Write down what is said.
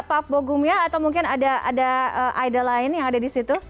pap bogumnya atau mungkin ada idol lain yang ada di situ